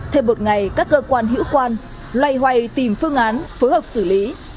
thêm một ngày các cơ quan hữu quan loay hoay tìm phương án phối hợp xử lý